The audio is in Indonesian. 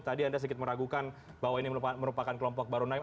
tadi anda sedikit meragukan bahwa ini merupakan kelompok baru naim